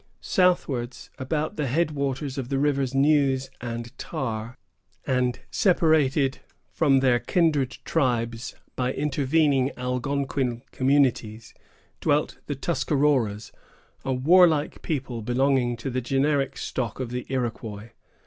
Southwards, about the headwaters of the rivers Neuse and Tar, and separated from their kindred tribes by intervening Algonquin communities, dwelt the Tuscaroras, a warlike people belonging to the generic stock of the Iroquois.